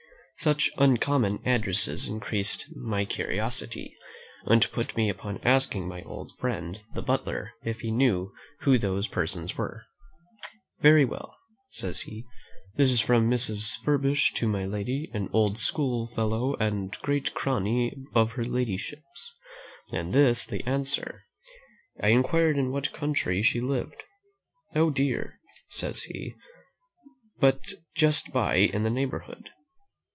Such uncommon addresses increased my curiosity, and put me upon asking my old friend the butler if he knew who those persons were. 'Very well,' says he; 'this is from Mrs. Furbish to my lady, an old schoolfellow and great crony of her ladyship's: and this the answer.' I inquired in what county she lived. 'Oh, dear!' says he, 'but just by, in the neighbourhood.